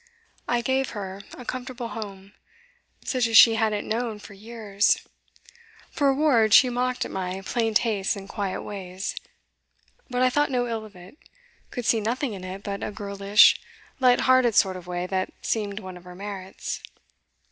I gave her a comfortable home, such as she hadn't known for years; for a reward she mocked at my plain tastes and quiet ways but I thought no ill of it could see nothing in it but a girlish, lighthearted sort of way that seemed one of her merits.